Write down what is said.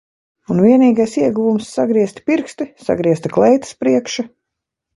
Un vienīgais ieguvums sagriezti pirksti, sagriezta kleitas priekša.